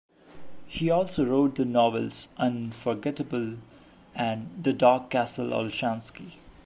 He also wrote the novels "Unforgettable" and "The Dark Castle Olshansky".